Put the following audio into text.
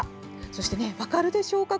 そして、分かるでしょうか？